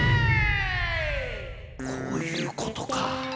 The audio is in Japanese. こういうことか。